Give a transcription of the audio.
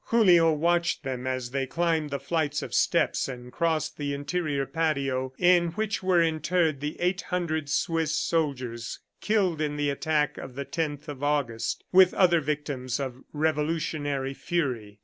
Julio watched them as they climbed the flights of steps and crossed the interior patio in which were interred the eight hundred Swiss soldiers killed in the attack of the Tenth of August, with other victims of revolutionary fury.